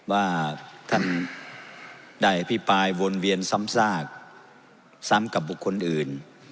ว่าท่านได้อภิปรายวนเวียนซ้ำซากซ้ำกับบุคคลอื่น